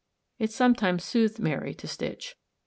It sometimes soothed Mary to stitch.